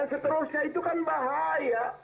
dan seterusnya itu kan bahaya